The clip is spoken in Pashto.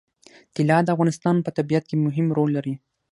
طلا د افغانستان په طبیعت کې مهم رول لري.